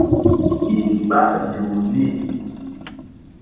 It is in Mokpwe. Ìŋɡbá yùùnî.